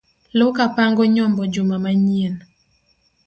Luka pango nyombo juma ma nyien